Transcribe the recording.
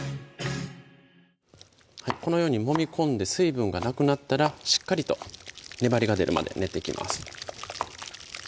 このようにもみ込んで水分がなくなったらしっかりと粘りが出るまで練っていきます